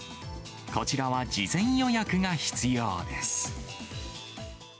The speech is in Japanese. こちらは事前予約が必要です。